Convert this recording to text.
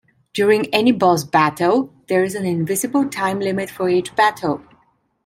During any boss battle, there is an invisible time limit for each battle.